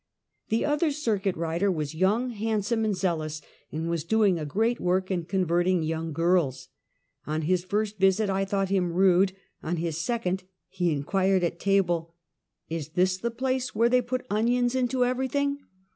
The other circnit rider was young, handsome and zeal ous, and was doing a great work in converting young girls. On his first visit I thought him rude. On his second, he inquired at table: " Is this the place where they put onions into every thing?"